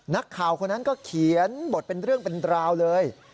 นักข่าวคนนั้นก็เขียนบทเป็นเรื่องเป็นราวเลย